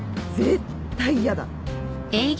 絶対嫌だ。